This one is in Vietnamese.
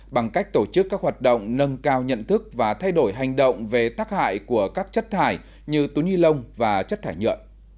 bằng cách tổ chức các hoạt động nâng cao nhận thức và thay đổi hành động về tác hại của các chất thải như túi nhi lông và chất thải nhựa